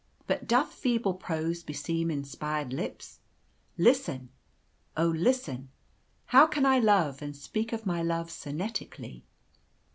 But doth feeble prose beseem inspired lips? Listen! oh, listen how I can only love, and speak of my love, sonnetically!